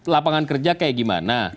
lapangan kerja seperti apa